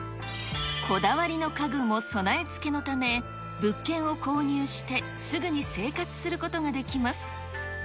こだわりの家具も備え付けのため、物件を購入してすぐに生活することができます。